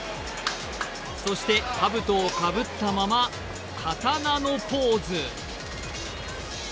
そしてかぶとをかぶったまま刀のポーズ。